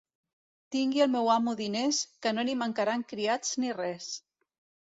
Tingui el meu amo diners, que no li mancaran criats ni res.